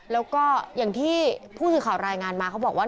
แล้วก็อย่างที่ผู้สื่อข่าวรายงานมาเขาบอกว่า